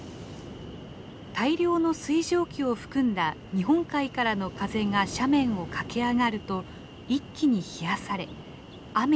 大量の水蒸気を含んだ日本海からの風が斜面を駆け上がると一気に冷やされ雨や雪になります。